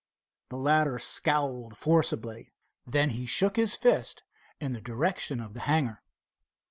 The latter scowled forcibly. Then he shook his fist in the direction of the hangar.